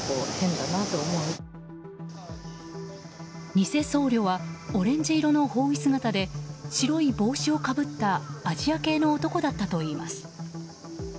偽僧侶はオレンジ色の法衣姿で白い帽子をかぶったアジア系の男だったといいます。